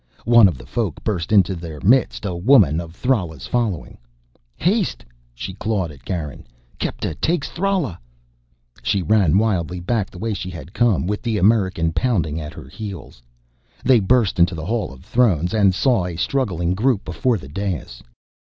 One of the Folk burst into their midst, a woman of Thrala's following. "Haste!" She clawed at Garin. "Kepta takes Thrala!" She ran wildly back the way she had come, with the American pounding at her heels. They burst into the Hall of Thrones and saw a struggling group before the dais.